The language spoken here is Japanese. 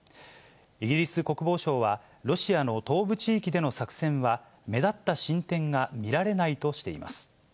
イギリス国防省は、ロシアの東部地域での作戦は、目立った進展が見られないとしています。